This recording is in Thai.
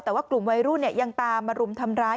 แต่ว่ากลุ่มวัยรุ่นยังตามมารุมทำร้าย